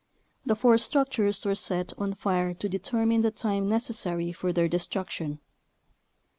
The four structures were set on fire to determine the time necessary for their destruction.